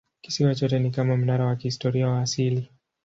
Kisiwa chote ni kama mnara wa kihistoria wa asili.